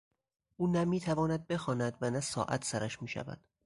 او نه میتواند بخواند و نه ساعت سرش میشود.